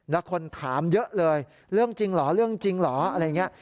แล้วคนถามเยอะเลยเรื่องจริงเหรอเรื่องจริงเหรออะไรอย่างนี้